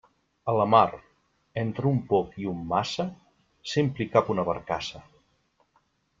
A la mar, entre un poc i un massa, sempre hi cap una barcassa.